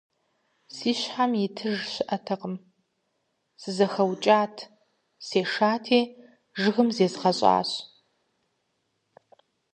Си щхьэм итыж щыӀэтэкъым, сызэхэукӀат, сешати, жыгым зезгъэщӀащ.